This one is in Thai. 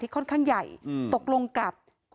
แล้วมันกลายเป็นข่าว